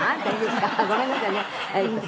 ごめんなさいね。